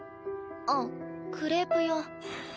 あっクレープ屋。